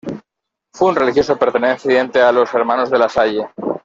Fue un religioso perteneciente a los Hermanos de La Salle.